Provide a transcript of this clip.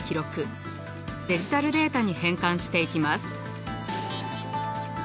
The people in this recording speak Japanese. デジタルデータに変換していきます。